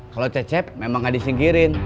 kalau cecep memang nggak disingkirin